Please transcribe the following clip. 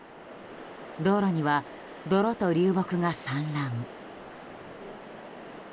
道路には泥と流木が散乱。